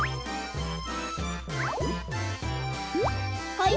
はい。